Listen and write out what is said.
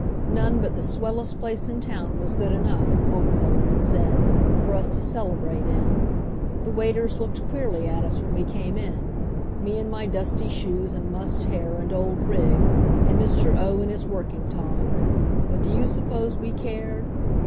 None but the swellest place in town was good enough, Obermuller had said, for us to celebrate in. The waiters looked queerly at us when we came in me in my dusty shoes and mussed hair and old rig, and Mr. O. in his working togs. But do you suppose we cared?